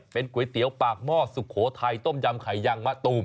เป็นก๋วยเตี๋ยวปากหม้อสุโขทัยต้มยำไข่ยังมะตูม